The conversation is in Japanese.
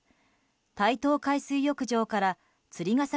太東海水浴場から釣ヶ崎